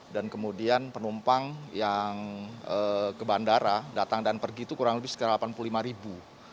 kemudian penumpang yang ke bandara datang dan pergi itu kurang lebih sekitar delapan puluh lima ribu